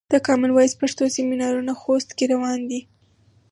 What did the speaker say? د کامن وایس پښتو سمینارونه خوست کې روان دي.